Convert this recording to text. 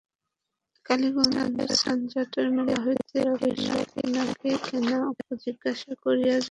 কালীগঞ্জের স্নানযাত্রার মেলা হইতে সে-সব নাকি কেনা, অপু জিজ্ঞাসা করিয়া জানিল।